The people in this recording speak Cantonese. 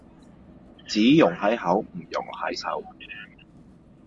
只溶喺口唔溶喺手